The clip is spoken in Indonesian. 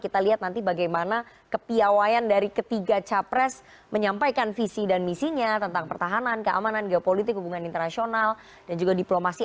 kita lihat nanti bagaimana kepiawayan dari ketiga capres menyampaikan visi dan misinya tentang pertahanan keamanan geopolitik hubungan internasional dan juga diplomasi